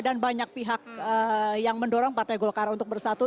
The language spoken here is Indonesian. dan banyak pihak yang mendorong partai golkar untuk bersatu